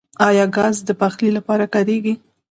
آیا ګاز د پخلي لپاره کاریږي؟